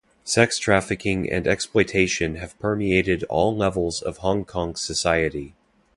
Sex trafficking and exploitation have permeated all levels of Hong Kong society.